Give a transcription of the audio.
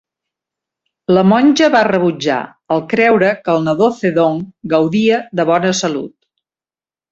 La monja va rebutjar, al creure que el nadó Zedong gaudia de bona salut.